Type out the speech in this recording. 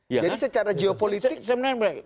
jadi secara geopolitik